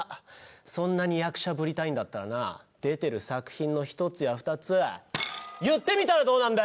そんなに役者ぶりたいんだったらな出てる作品の１つや２つ言ってみたらどうなんだよ！